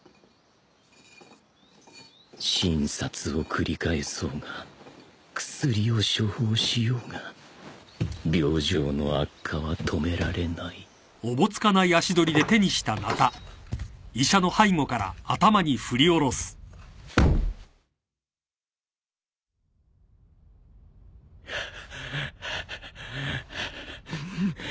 ［診察を繰り返そうが薬を処方しようが病状の悪化は止められない］ハァハァハァ。